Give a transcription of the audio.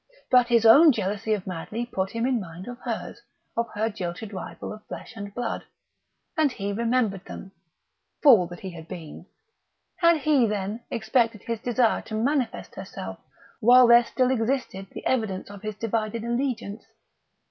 But his own jealousy of Madley put him in mind of hers of her jilted rival of flesh and blood, and he remembered them.... Fool that he had been! Had he, then, expected his Desire to manifest herself while there still existed the evidence of his divided allegiance?